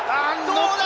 どうだ！